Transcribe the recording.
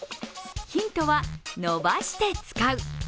ヒントは、伸ばして使う。